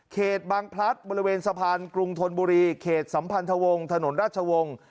บางพลัดบริเวณสะพานกรุงธนบุรีเขตสัมพันธวงศ์ถนนราชวงศ์